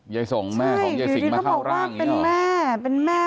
เย้สงแม่ของเย้สิงมาเข้าร่างใช่อยู่ดีก็บอกว่าเป็นแม่